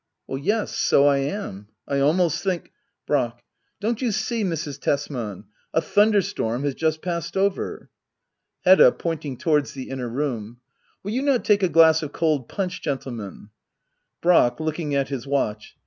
Yes — so I am — I almost think Brack. Don't you see^ Mrs. Tesman^ a thunderstorm has just passed over ? Hedda. [Pointing towards the inner room,] Will you not take a glass of cold punchy gentlemen ? Brack. [Looking at his watch.